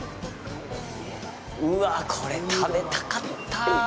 うわあ、これ食べたかった。